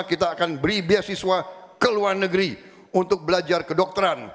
kita akan beri beasiswa ke luar negeri untuk belajar kedokteran